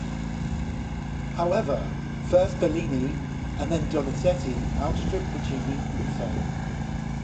However, first Bellini and then Donizetti outstripped Pacini in fame.